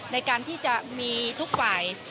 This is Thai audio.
ในการที่จะมีทุกฝ่าย